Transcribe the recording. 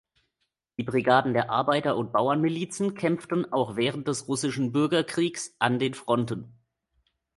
Die Brigaden der Arbeiter-und-Bauern-Milizen kämpften auch während des russischen Bürgerkriegs an den Fronten.